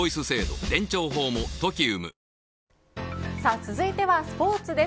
続いてはスポーツです。